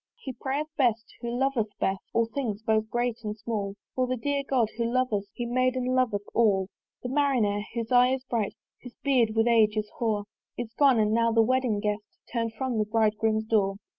He prayeth best who loveth best, All things both great and small: For the dear God, who loveth us, He made and loveth all. The Marinere, whose eye is bright, Whose beard with age is hoar, Is gone; and now the wedding guest Turn'd from the bridegroom's door.